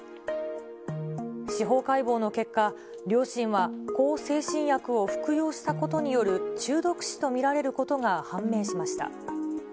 司法解剖の結果、両親は向精神薬を服用したことによる中毒死と見られることが判明しました。